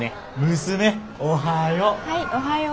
娘おはよ。